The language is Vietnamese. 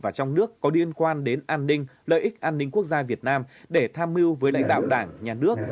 và trong nước có liên quan đến an ninh lợi ích an ninh quốc gia việt nam để tham mưu với lãnh đạo đảng nhà nước